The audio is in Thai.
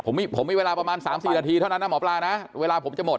ผมมีเวลาประมาณ๓๔นาทีเท่านั้นนะหมอปลานะเวลาผมจะหมด